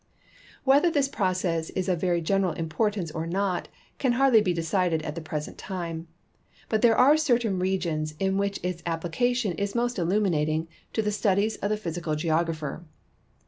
Whether this process is of very general importance or not can hardly be decided at the present time; but there are certain regions in which its application is most illuminating to the studies of the physical geographer.